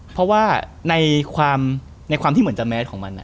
เพราะว่าในความที่เหมือนจะแมสของมัน